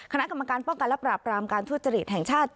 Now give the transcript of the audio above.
คณะกรรมการป้องกันและปราบรามการทุจริตแห่งชาติ